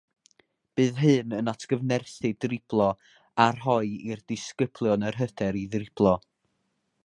Bydd hyn yn atgyfnerthu driblo a rhoi i'r disgyblion yr hyder i ddriblo